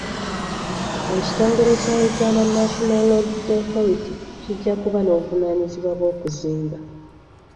Ekitongole kya Uganda National roads authority kijja kuba n'obuvunaanyizibwa bw'okuzimba.